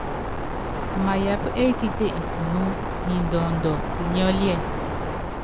Amayapá ekíte nsunú ni ndɔɔndɔ pinyɔ́líɛ.